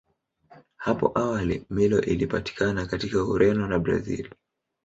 Hapo awali Milo ilipatikana katika Ureno na Brazili.